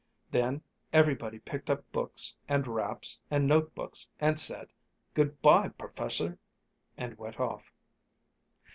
Then everybody picked up books and wraps and note books and said, "Good by, 'Perfessor!'" and went off.